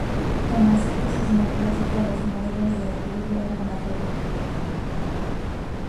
En la síntesis neoclásica, los modelos de equilibrio eran la regla.